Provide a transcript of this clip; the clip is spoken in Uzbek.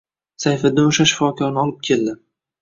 Sayfiddin o‘sha shifokorni olib keldi